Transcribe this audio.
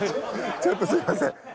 ちょっとすいません。